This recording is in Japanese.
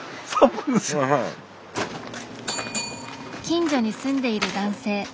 近所に住んでいる男性。